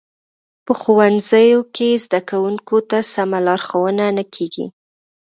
په ښوونځیو کې زده کوونکو ته سمه لارښوونه نه کیږي